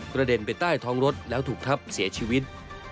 กระเด็นไปใต้ท้องรถแล้วถูกทับเสียชีวิต